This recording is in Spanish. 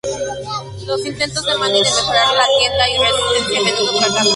Los intentos de Manny de mejorar la tienda y la residencia a menudo fracasan.